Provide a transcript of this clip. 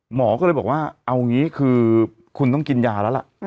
หมอก็เลยบอกว่าเอางี้คือคุณต้องกินยาแล้วล่ะ